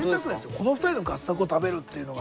この２人の合作を食べるっていうのが。